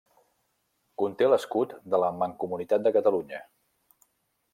Conté l'escut de la Mancomunitat de Catalunya.